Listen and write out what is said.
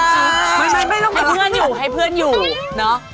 ไม่ไม่ต้องกับเราให้เพื่อนอยู่ให้เพื่อนอยู่เนาะ